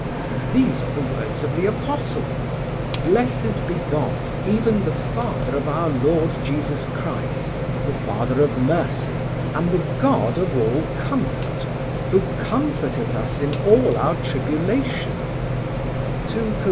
These are the words of the Apostle: "Blessed be God, even the Father of our Lord Jesus Christ, the Father of mercies, and the God of all comfort; who comforteth us in all our tribulation" (2 Cor.